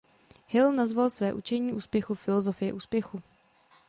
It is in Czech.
Hill nazval své učení úspěchu „filozofie úspěchu“.